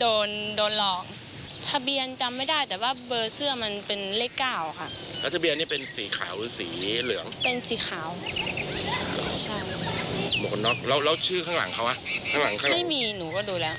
เดินในกาวซวยเลือด